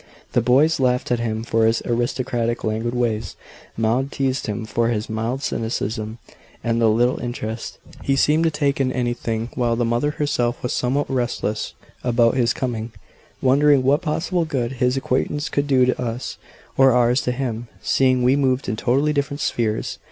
The boys laughed at him for his aristocratic, languid ways; Maud teased him for his mild cynicism and the little interest he seemed to take in anything; while the mother herself was somewhat restless about his coming, wondering what possible good his acquaintance could do to us, or ours to him, seeing we moved in totally different spheres.